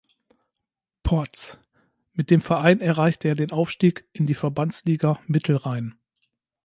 Porz", mit dem Verein erreichte er den Aufstieg in die Verbandsliga Mittelrhein.